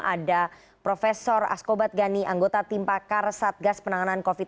ada prof askobat gani anggota tim pakar satgas penanganan covid sembilan belas